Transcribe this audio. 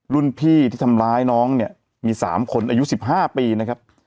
รุ่นพี่ที่ทำร้ายน้องเนี่ยมี๓คนอายุ๑๕ปีนะครับ